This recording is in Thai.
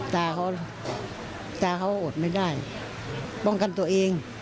ตาเขาตาเขาอดไม่ได้ป้องกันตัวเอง